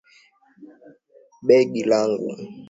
Begi langu.